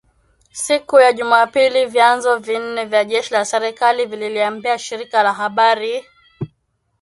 siku ya Jumapili vyanzo vinne vya jeshi la serikali vililiambia shirika la habari